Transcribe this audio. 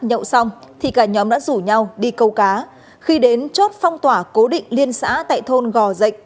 nhậu xong thì cả nhóm đã rủ nhau đi câu cá khi đến chốt phong tỏa cố định liên xã tại thôn gò dạch